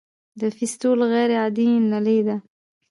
د فیستول غیر عادي نلۍ ده.